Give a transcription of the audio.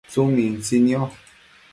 tsumintsi niosh